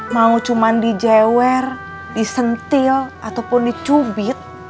mau cuma dijewer disentil ataupun dicubit